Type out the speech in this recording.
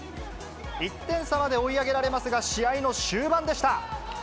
１点差まで追い上げられますが、試合の終盤でした。